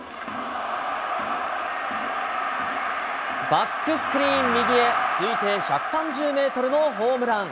バックスクリーン右へ、推定１３０メートルのホームラン。